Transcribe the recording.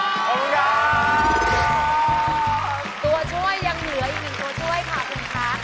ขอบคุณครับตัวช่วยยังเหลืออีกหนึ่งตัวช่วยค่ะคุณคะ